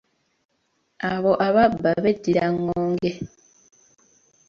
Abo ababa beddira engonge.